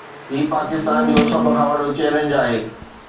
هي پاڪستان جو سڀ کان وڏو چئلينج آهي.